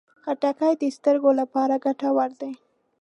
خټکی د سترګو لپاره ګټور دی.